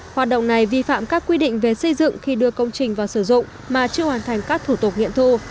hoạt động này vi phạm các quy định về xây dựng khi đưa công trình vào sử dụng mà chưa hoàn thành các thủ tục nghiện thu